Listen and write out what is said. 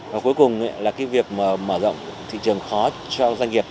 và cuối cùng là cái việc mở rộng thị trường khó cho doanh nghiệp